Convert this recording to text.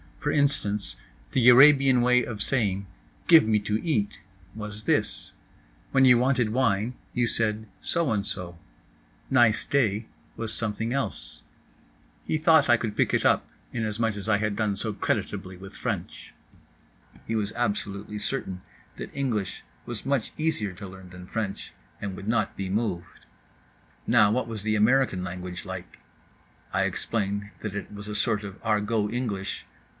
For instance—the Arabian way of saying "Give me to eat" was this; when you wanted wine you said so and so; "Nice day" was something else. He thought I could pick it up inasmuch as I had done so creditably with French. He was absolutely certain that English was much easier to learn than French, and would not be moved. Now what was the American language like? I explained that it was a sort of Argot English.